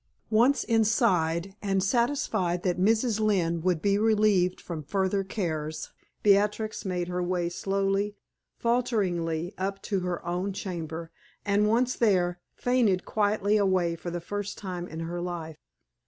Once inside, and satisfied that Mrs. Lynne would be relieved from further cares, Beatrix made her way slowly, falteringly, up to her own chamber, and once there, fainted quietly away for the first time in her life.